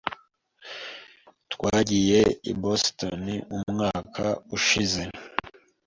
Twagiye i Boston umwaka ushize.